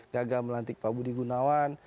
gagal melantik pak budi gunawan